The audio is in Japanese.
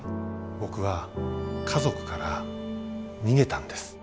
僕は家族から逃げたんです。